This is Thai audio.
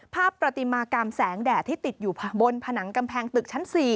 ประติมากรรมแสงแดดที่ติดอยู่บนผนังกำแพงตึกชั้น๔